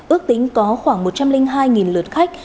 ước tính có khoảng một trăm linh hai lượt khách